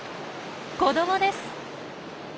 子どもです。